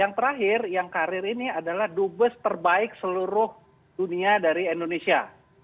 yang terakhir yang karir ini adalah dubes terbaik seluruh dunia dari indonesia